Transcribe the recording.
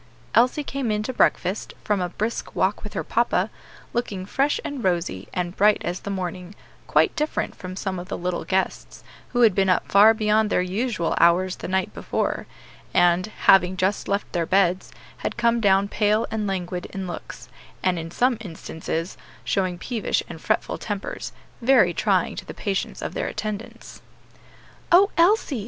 Elsie came in to breakfast, from a brisk walk with her papa, looking fresh and rosy, and bright as the morning; quite different from some of the little guests, who had been up far beyond their usual hours the night before, and, having just left their beds, had come down pale and languid in looks, and in some instances showing peevish and fretful tempers, very trying to the patience of their attendants. "O Elsie!"